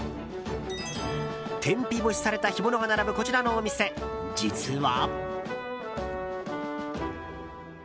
天日干しされた干物が並ぶこちらの店、実は。